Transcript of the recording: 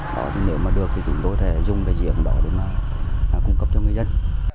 nếu mà được thì chúng tôi sẽ dùng cái diễn đó để mà cung cấp cho người dân